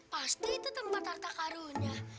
pasti itu tempat harta karunya